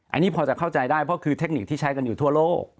อันนี้พอจะเข้าใจได้เพราะคือเทคนิคที่ใช้กันอยู่ทั่วโลก